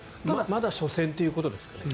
まだ初戦ということですか？